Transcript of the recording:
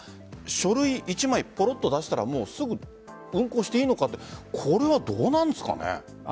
書類１枚出したらすぐ運航していいのかってこれはどうなんですかね。